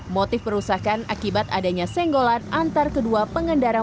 motif perusahaan akibat adanya senggolan antar kedua pengendara